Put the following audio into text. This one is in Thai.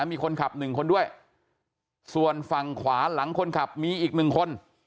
มีคนขับหนึ่งคนด้วยส่วนฝั่งขวาหลังคนขับมีอีกหนึ่งคน